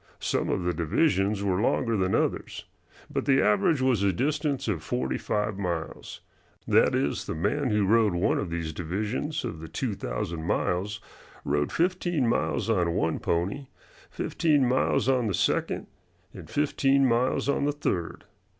Some of the divisions were longer than others. But the average was a distance of forty five miles; that is, the man who rode one of these divisions of the two thousand miles, rode fifteen miles on one pony, fifteen miles on the second, and fifteen miles on the third.